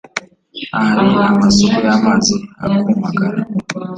ahari amasoko y’amazi hakumagara